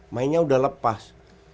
mainnya udah lepas